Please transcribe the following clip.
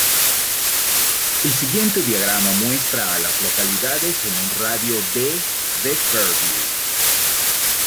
El siguiente diagrama muestra a las localidades en un radio de de Fairview.